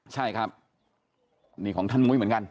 ใช่ครับนี่ของท่านมุ้ยเหมือนกัน